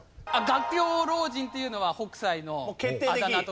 「画狂老人」っていうのは北斎のあだ名として。